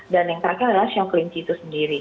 dan yang terakhir adalah show kelingki itu sendiri